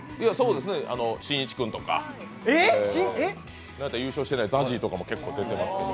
しんいち君とか、優勝してないＺＡＺＹとかも出てたんですけど